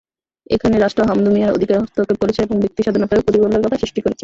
এখানে রাষ্ট্র হামদু মিয়ার অধিকারে হস্তক্ষেপ করেছে এবং ব্যক্তিস্বাধীনতায়ও প্রতিবন্ধকতা সৃষ্টি করেছে।